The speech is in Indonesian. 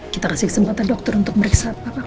kita kasih kesempatan dokter untuk meriksa papa kami ya